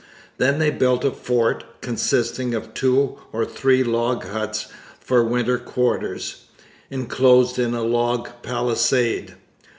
Then they built a fort, consisting of two or three log huts for winter quarters, enclosed in a log palisade.